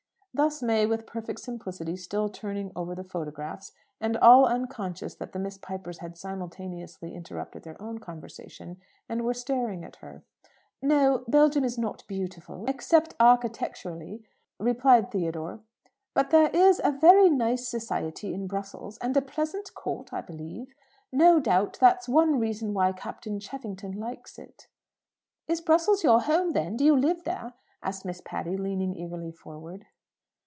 Thus May, with perfect simplicity, still turning over the photographs, and all unconscious that the Miss Pipers had simultaneously interrupted their own conversation, and were staring at her. "No; Belgium is not beautiful except architecturally," replied Theodore. "But there is very nice society in Brussels, and a pleasant Court, I believe. No doubt that's one reason why Captain Cheffington likes it." "Is Brussels your home, then? Do you live there?" asked Miss Patty, leaning eagerly forward.